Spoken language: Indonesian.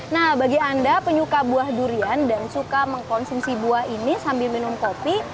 nah bagi anda penyuka buah durian dan suka mengkonsumsi buah ini sambil minum kopi